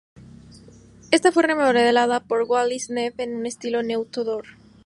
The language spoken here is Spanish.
Esta fue remodelada por Wallace Neff en un estilo Neo-tudor.